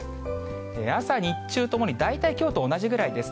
朝、日中ともに大体きょうと同じぐらいです。